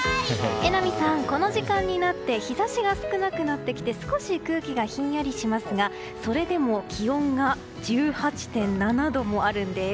榎並さん、この時間になって日差しが少なくなってきて少し空気がひんやりしますがそれでも気温が１８．７度もあるんです。